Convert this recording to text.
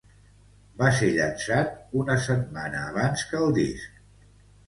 Va ser llançat una setmana abans que el disc.